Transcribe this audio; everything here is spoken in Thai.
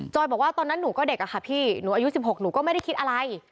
บอกว่าตอนนั้นหนูก็เด็กอะค่ะพี่หนูอายุ๑๖หนูก็ไม่ได้คิดอะไร